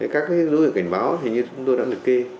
các dấu hiệu cảnh báo thì như chúng tôi đã được ký